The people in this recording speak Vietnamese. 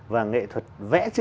và nghệ thuật vẽ chữ